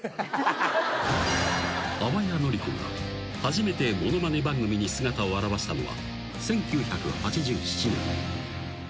［淡谷のり子が初めてものまね番組に姿を現したのは１９８７年］